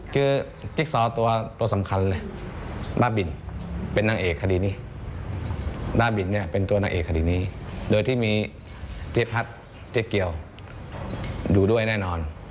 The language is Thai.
คือจิ๊กซอตัวสำคัญเลยบ้าบินเป็นนางเอกคดีนี้บ้าบินเนี่ยเป็นตัวนางเอกคดีนี้โดยที่มีเจ๊พัดเจ๊เกียวอยู่ด้วยแน่นอน